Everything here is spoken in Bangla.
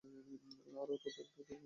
আরে, অন্তত, এটা ঠিকভাবে দেখেছ?